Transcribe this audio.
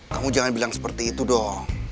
kamu jangan bilang seperti itu dong